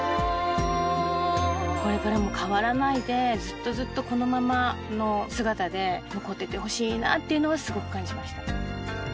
これからも変わらないでずっとずっとこのままの姿で残っててほしいなっていうのはすごく感じました。